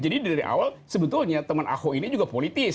dari awal sebetulnya teman ahok ini juga politis